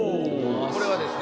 これはですね